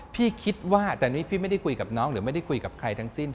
พี่คิดว่าแต่นี่พี่ไม่ได้คุยกับน้องหรือไม่ได้คุยกับใครทั้งสิ้น